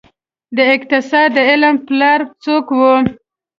د اقتصاد د علم پلار څوک وه؟